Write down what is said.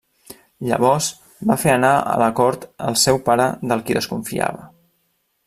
Llavors va fer anar a la cort al seu pare del qui desconfiava.